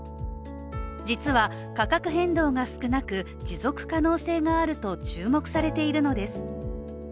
実は価格変動が少なく持続可能性があると注目されているのです。